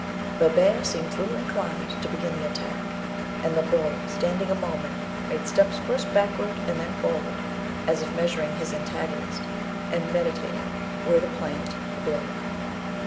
"The bear seemed little inclined to begin the attack, and the bull, standing a moment, made steps first backward and then forward, as if measuring his antagonist, and meditating where to plant a blow.